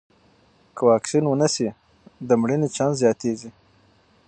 که واکسین ونه شي، د مړینې چانس زیاتېږي.